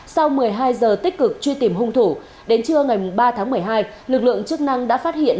sau một mươi hai giờ tích cực truy tìm hung thủ đến trưa ngày ba tháng một mươi hai lực lượng chức năng đã phát hiện